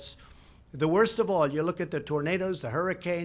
seorang teman saya yang belajar desa desa natural